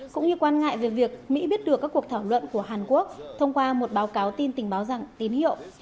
cũng như quan ngại về việc mỹ biết được các cuộc thảo luận của hàn quốc thông qua một báo cáo tin tình báo rằng tín hiệu